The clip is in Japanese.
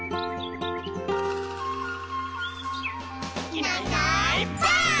「いないいないばあっ！」